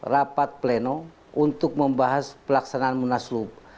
rapat pleno untuk membahas pelaksanaan munaslup